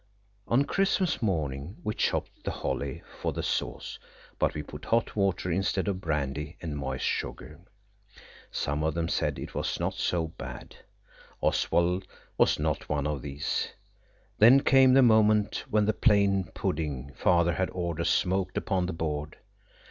On Christmas morning we chopped the holly for the sauce, but we put hot water (instead of brandy) and moist sugar. Some of them said it was not so bad. Oswald was not one of these. Then came the moment when the plain pudding Father had ordered smoked upon the board.